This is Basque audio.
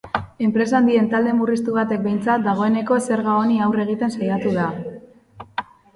Enpresa handien talde murriztu batek behintzat dagoeneko zerga honi aurre egiten saiatu da.